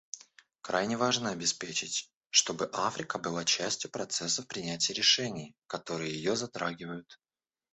Крайне важно обеспечить, чтобы Африка была частью процессов принятия решений, которые ее затрагивают.